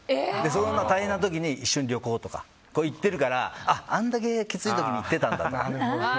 そんな大変な時に一緒に旅行とか行ってるからあれだけきつい時に行ってたんだと。